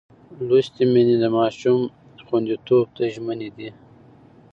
لوستې میندې د ماشوم پر خوندیتوب ژمنه ده.